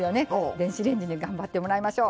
電子レンジに頑張ってもらいましょう。